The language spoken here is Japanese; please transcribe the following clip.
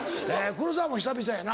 黒沢も久々やな。